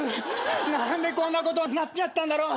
何でこんなことになっちゃったんだろう。